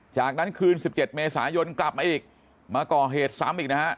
จากนั้นคืน๑๗เมษายนกลับมาอีกมาก่อเหตุซ้ำอีกนะฮะ